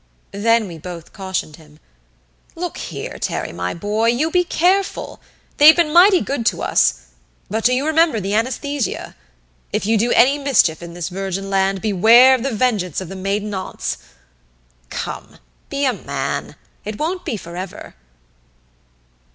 Then we both cautioned him. "Look here, Terry, my boy! You be careful! They've been mighty good to us but do you remember the anesthesia? If you do any mischief in this virgin land, beware of the vengeance of the Maiden Aunts! Come, be a man! It won't be forever."